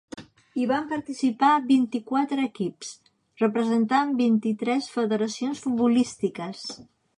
Hi van participar vint-i-quatre equips, representant vint-i-tres federacions futbolístiques.